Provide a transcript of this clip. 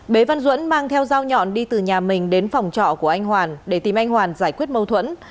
bế văn duẫn mang theo dao nhọn đi từ nhà mình đến phòng trọ của anh hoàn để tìm anh hoàn giải quyết mâu thuẫn